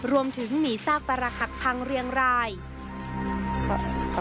รวมถึงมีซากปรหักพังเรียงราย